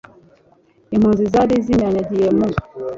impunzi zari zinyanyagiye mu